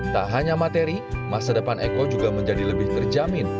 tak hanya materi masa depan eko juga menjadi lebih terjamin